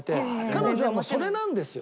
彼女はもうそれなんですよ